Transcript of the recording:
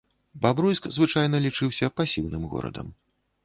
Бабруйск звычайна лічыўся пасіўным горадам.